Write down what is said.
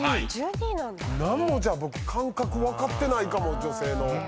じゃあ僕感覚分かってないかも女性の。